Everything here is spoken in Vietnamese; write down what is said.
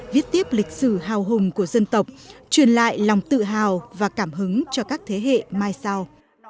viết tiếp lịch sử hào hùng của dân tộc truyền lại lòng tự hào và cảm hứng cho các thế hệ mai sau